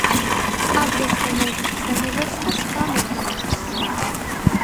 აგრეთვე მოდის ჩვენებებს და სხვა მოვლენებს.